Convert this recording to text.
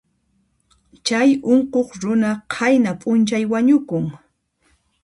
Chay unquq runa qayna p'unchay wañukun.